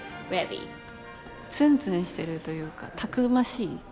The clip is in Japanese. ツンツンしてるというかたくましい。